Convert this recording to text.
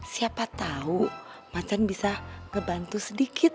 siapa tahu macan bisa ngebantu sedikit